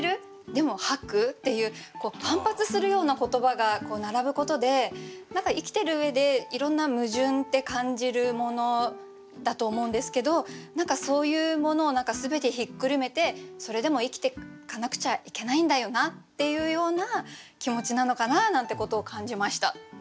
でも「吐く」？っていう反発するような言葉が並ぶことで何か生きてる上でいろんな矛盾って感じるものだと思うんですけど何かそういうものを全てひっくるめてそれでも生きてかなくちゃいけないんだよなっていうような気持ちなのかななんてことを感じました。